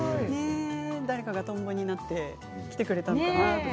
誰かがトンボになって来てくれたのかな？